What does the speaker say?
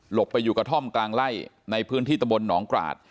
ไปอยู่กระท่อมกลางไล่ในพื้นที่ตะบนหนองกราศ